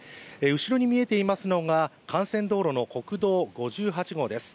後ろに見えていますのが幹線道路の国道５８号です。